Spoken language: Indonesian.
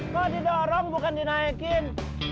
kok didorong bukan dinaikin